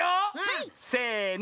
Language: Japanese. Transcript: せの！